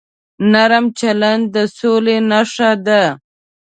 نرم چلند د سولې نښه ده.